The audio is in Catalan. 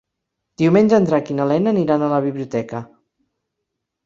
Diumenge en Drac i na Lena aniran a la biblioteca.